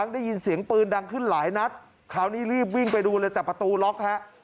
ได้ยินเสียงปืนดังขึ้นหลายนัดคราวนี้รีบวิ่งไปดูเลยแต่ประตูล็อกฮะ